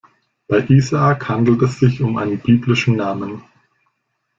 Bei Isaak handelt es sich um einen biblischen Namen.